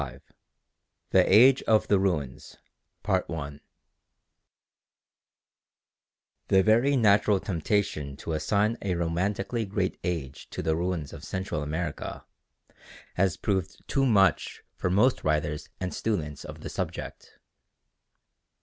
CHAPTER XVII THE AGE OF THE RUINS The very natural temptation to assign a romantically great age to the ruins of Central America has proved too much for most writers and students of the subject.